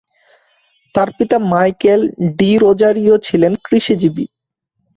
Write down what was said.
তার পিতা Michael D'Rozario ছিলেন কৃষিজীবী।